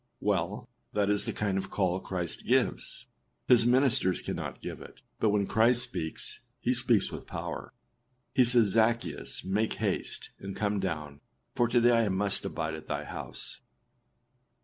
â Well, that is the kind of call Christ gives. His ministers cannot give it; but when Christ speaks, he speaks with power, and says, âZaccheus, make haste, and come down; for to day I must abide at thy house.